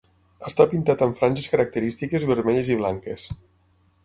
Està pintat amb franges característiques vermelles i blanques.